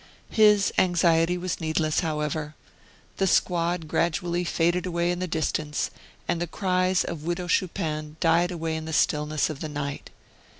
His anxiety was needless, however. The squad gradually faded away in the distance, and the cries of Widow Chupin died away in the stillness of the night.